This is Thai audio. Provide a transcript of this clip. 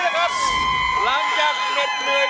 ร้องได้ให้ล้าน